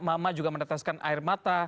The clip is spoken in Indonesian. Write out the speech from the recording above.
mama juga meneteskan air mata